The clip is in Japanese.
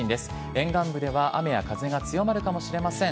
沿岸部では雨や風が強まるかもしれません。